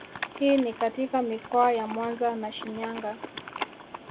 Hii ni katika mikoa ya Mwanza na Shinyanga